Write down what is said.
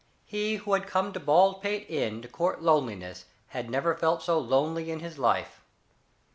He who had come to Baldpate Inn to court loneliness had never felt so lonely in his life.